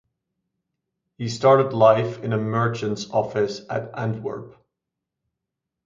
He started life in a merchants office at Antwerp.